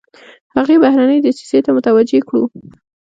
هغې بهرنۍ دسیسې ته متوجه کړو.